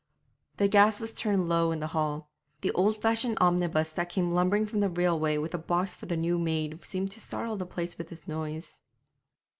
The gas was turned low in the hall. The old fashioned omnibus that came lumbering from the railway with a box for the new maid seemed to startle the place with its noise.